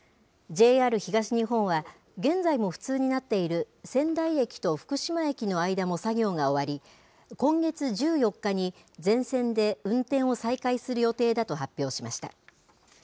ＪＲ東日本は、現在も不通になっている仙台駅と福島駅の間も作業が終わり、今月１４日に、全線で運転を再開する予定だと発表しました。